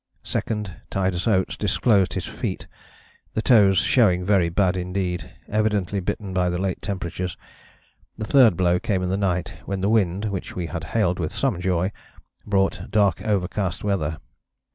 Second, Titus Oates disclosed his feet, the toes showing very bad indeed, evidently bitten by the late temperatures. The third blow came in the night, when the wind, which we had hailed with some joy, brought dark overcast weather.